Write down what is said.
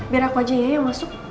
biar aku aja ya masuk